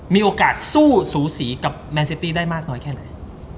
มีโอกาสสู้สูสีกับแมนซิตี้ได้มากน้อยแค่ไหน